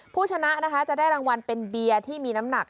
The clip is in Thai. ผู้ชนะนะคะจะได้รางวัลเป็นเบียร์ที่มีน้ำหนัก